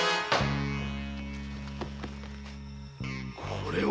これは！